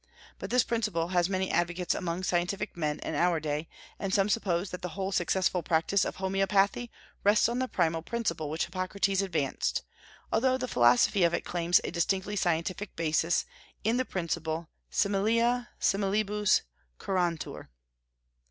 But this principle has many advocates among scientific men in our day; and some suppose that the whole successful practice of Homoeopathy rests on the primal principle which Hippocrates advanced, although the philosophy of it claims a distinctly scientific basis in the principle similia similibus curantur.